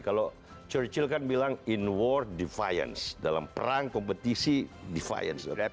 kalau churchill kan bilang in war defiance dalam perang kompetisi defiance